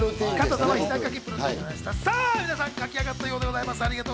さぁ皆さん、書き上がったようでございます。